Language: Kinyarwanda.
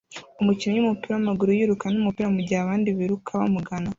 Umukinnyi wumupira wamaguru yiruka numupira mugihe abandi biruka bamugana